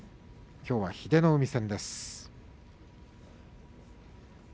きょうは英乃海戦。